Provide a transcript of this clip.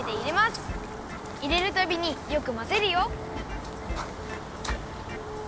いれるたびによくまぜるよ！